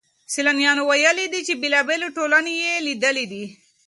سيلانيانو ويلي دي چي بېلابېلې ټولني يې ليدلې دي.